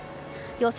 予想